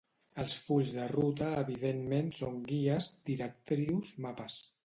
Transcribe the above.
Els fulls de ruta evidentment són guies, directrius, mapes.